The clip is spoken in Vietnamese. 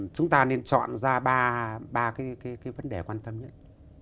chúng ta nên chọn ra ba cái vấn đề quan tâm nhất